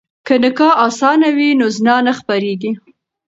که نکاح اسانه وي نو زنا نه خپریږي.